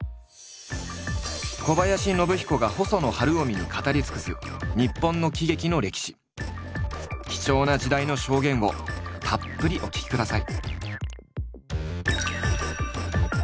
小林信彦が細野晴臣に語り尽くす貴重な時代の証言をたっぷりお聞きください。